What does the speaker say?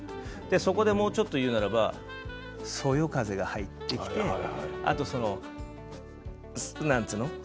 そこでもうちょっと言うならばそよ風が入って、何て言うの？